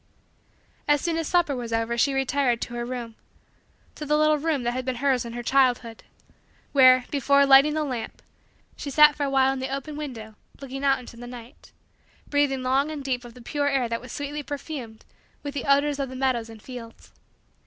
As soon as supper was over she retired to her room to the little room that had been hers in her childhood where, before lighting the lamp, she sat for awhile at the open window looking out into the night, breathing long and deep of the pure air that was sweetly perfumed with the odor of the meadows and fields.